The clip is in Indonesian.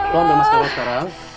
lo ambil maskara sekarang